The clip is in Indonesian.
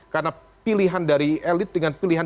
karena pilihan dari elit dengan pilihan